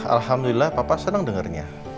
alhamdulillah papa seneng dengernya